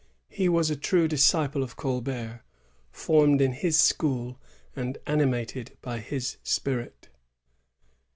He was a true disciple of Colbert, formed in his school and animated by his spirit.